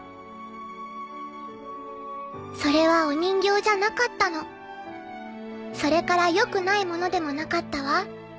それはお人形じゃなかったのそれから良くないものでもなかったわ